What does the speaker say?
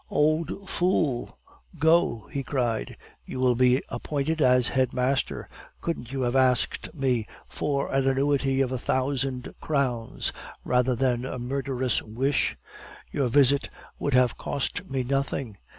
"Old fool! Go!" he cried. "You will be appointed as headmaster! Couldn't you have asked me for an annuity of a thousand crowns rather than a murderous wish? Your visit would have cost me nothing.